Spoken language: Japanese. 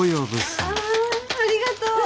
あありがとう！